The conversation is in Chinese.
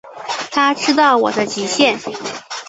他知道我的极限